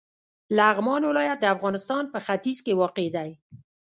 لغمان ولایت د افغانستان په ختیځ کې واقع دی.